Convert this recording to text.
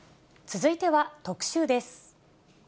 続いては特集です。